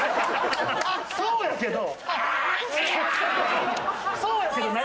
そうやけど何？